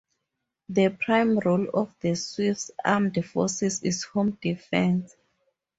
The prime role of the Swiss Armed Forces is Home Defence.